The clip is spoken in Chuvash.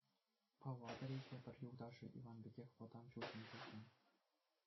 Палатӑри тепӗр юлташӗ — Иван пекех вӑтам ҫулсенчи ҫын.